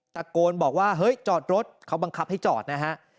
ตะโกนบอกว่าเฮ้ยจอดรถเขาบังคับให้จอดนะฮะ